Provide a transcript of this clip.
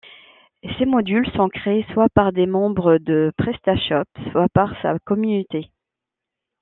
Ces modules sont créés soit par les membres de PrestaShop, soit par sa communauté.